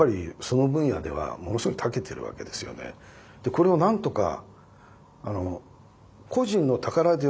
これをなんとか。